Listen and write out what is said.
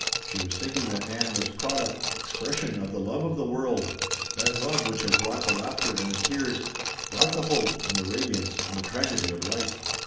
She was thinking that Ann was product, expression, of the love of the world, that love which had brought the laughter and the tears, brought the hope and the radiance and the tragedy of life.